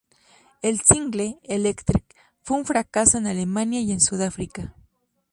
El single "Electric" fue un fracaso en Alemania y en Sudáfrica.